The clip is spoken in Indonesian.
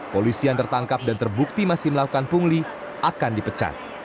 polisi yang tertangkap dan terbukti masih melakukan pungli akan dipecat